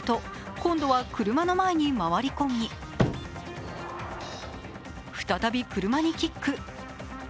今度は車の前に回り込み再び車にキック。